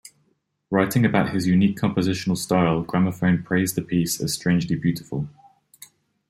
Writing about his unique compositional style, Gramophone praised the piece as "strangely beautiful".